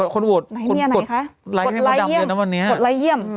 คนโหวตกดไลค์เยี่ยม